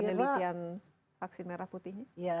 penelitian vaksin merah putih ini